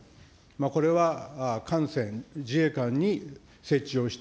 これは艦船、自衛艦に設置をして、